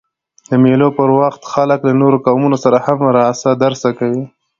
د مېلو پر وخت خلک له نورو قومونو سره هم راسه درسه کوي.